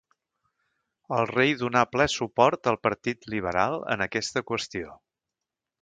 El rei donà ple suport al Partit Liberal en aquesta qüestió.